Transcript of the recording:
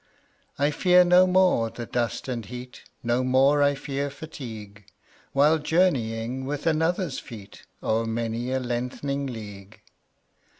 I fear no more the dust and heat, 25 No more I fear fatigue, While journeying with another's feet O'er many a lengthening league.